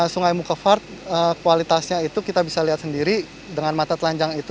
sungai mukefat kualitasnya itu kita bisa lihat sendiri dengan mata telanjang itu